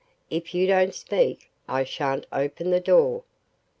If you don't speak I shan't open the door.